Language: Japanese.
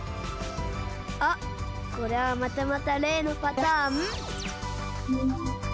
あっこれはまたまたれいのパターン？